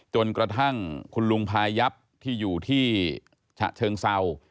จนกระทั่งคุณลุงพายับที่อยู่ที่ฉะเชิงเศร้า